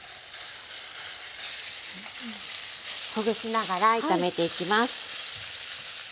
ほぐしながら炒めていきます。